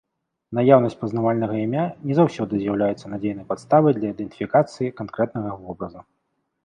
Наяўнасць пазнавальнага імя не заўсёды з'яўляецца надзейнай падставай для ідэнтыфікацыі канкрэтнага вобраза.